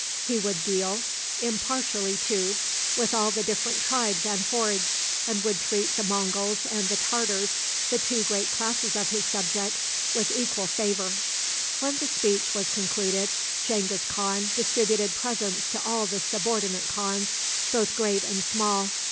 He would deal impartially, too, with all the different tribes and hordes, and would treat the Monguls and the Tartars, the two great classes of his subjects, with equal favor. When the speech was concluded Genghis Khan distributed presents to all the subordinate khans, both great and small.